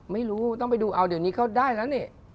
ไม่รู้ต้องไปดูเอาเดี๋ยวนี้เขาได้แล้วนี่